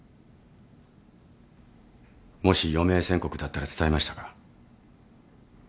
もし余命宣告だったら伝えましたか？